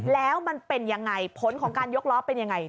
แล้วมันเป็นอย่างไรพ้นของการยกล้อเป็นอย่างไร